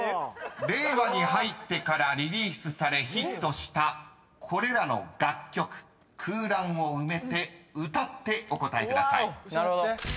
［令和に入ってからリリースされヒットしたこれらの楽曲空欄を埋めて歌ってお答えください］